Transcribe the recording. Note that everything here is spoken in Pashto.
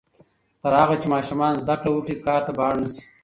تر هغه چې ماشومان زده کړه وکړي، کار ته به اړ نه شي.